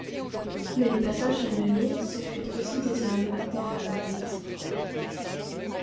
Mais le Passage Lemonnier, ce furent aussi des hommes, des femmes et des enfants.